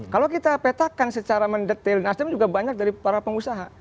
kalau kita petakan secara mendetail nasdem juga banyak dari para pengusaha